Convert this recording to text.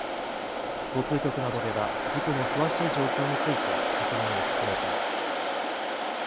交通局などでは事故の詳しい状況について確認を進めています。